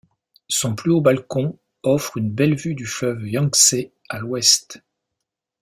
Son plus haut balcon offre une belle vue du fleuve Yangtze à l'Ouest.